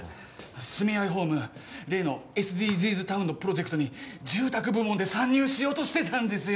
住愛ホーム例のＳＤＧｓタウンのプロジェクトに住宅部門で参入しようとしてたんですよ。